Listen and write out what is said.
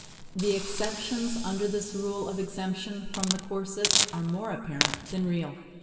The exceptions under this rule of exemption from the corset are more apparent than real.